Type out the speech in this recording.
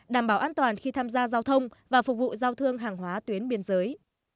đảm bảo an toàn khi tham gia giao thông và phục vụ giao thương hàng hóa tuyến biên giới